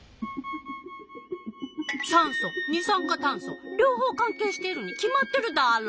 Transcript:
酸素二酸化炭素両方関係しているに決まってるダーロ！